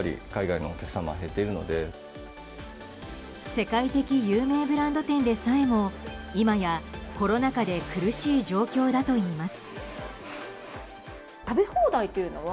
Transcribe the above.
世界的有名ブランド店でさえも今やコロナ禍で苦しい状況だといいます。